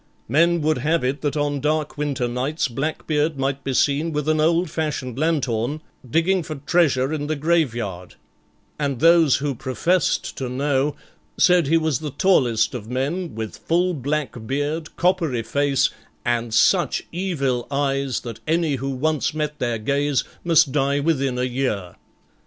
Men would have it that on dark winter nights Blackbeard might be seen with an old fashioned lanthorn digging for treasure in the graveyard; and those who professed to know said he was the tallest of men, with full black beard, coppery face, and such evil eyes, that any who once met their gaze must die within a year.